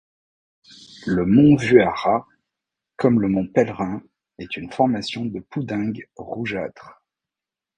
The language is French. Le mont Vuarat, comme le mont Pèlerin, est une formation de poudingue rougeâtre.